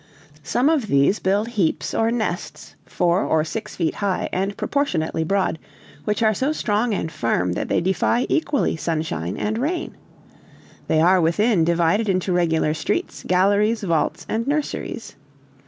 "Some of these build heaps or nests, four or six feet high and proportionately broad, which are so strong and firm that they defy equally sunshine and rain. They are, within, divided into regular streets, galleries, vaults, and nurseries.